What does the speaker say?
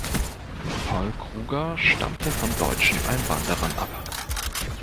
Paul Kruger stammte von deutschen Einwanderern ab.